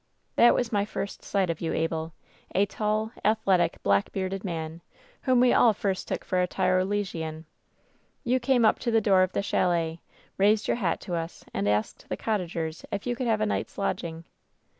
"That was my first sight of you, Abel ; a tall, ath .'. letic, black bearded man, whom we all first took for a ' Tyrolesian. "You came up to the door of the chalet, raised your hat to us and asked the cottagers if you could have a night's lodging.